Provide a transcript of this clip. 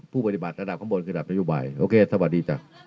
โปรดติดตามตอนต่อไป